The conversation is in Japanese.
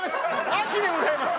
秋でございます